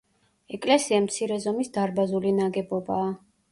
ეკლესია მცირე ზომის დარბაზული ნაგებობაა.